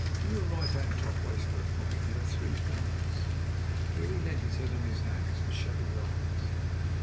In your right hand top waistcoat pocket you have three cards." Here he leant his head on his hands and shut his eyes.